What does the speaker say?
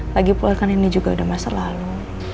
lagi pulangkan ini juga udah masa lalu